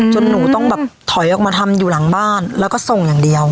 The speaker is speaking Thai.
หนูต้องแบบถอยออกมาทำอยู่หลังบ้านแล้วก็ส่งอย่างเดียว